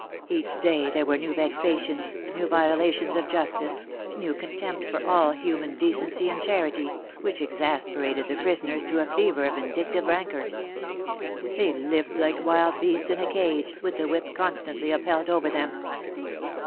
Each day there were new vexations, new violations of justice, new contempt for all human decency and charity, which exasperated the prisoners to a fever of vindictive rancor. They lived like wild beasts in a cage, with the whip constantly upheld over them.